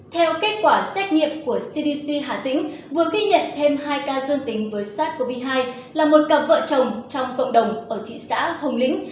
theo kết quả xét nghiệm của cdc hà tĩnh vừa ghi nhận thêm hai ca dương tính với sars cov hai là một cặp vợ chồng trong cộng đồng ở thị xã hồng lĩnh